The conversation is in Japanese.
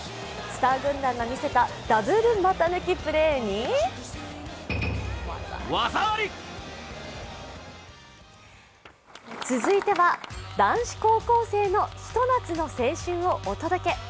スター軍団が見せたダブル股抜きプレーに続いては、男子高校生のひと夏の青春をお届け。